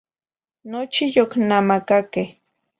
Nochi yocnamacaqueh